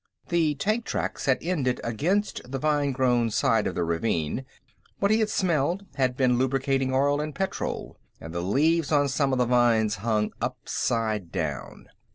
The tank tracks had ended against the vine grown side of the ravine, what he had smelled had been lubricating oil and petrol, and the leaves on some of the vines hung upside down.